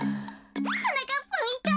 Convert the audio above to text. はなかっぱんいた！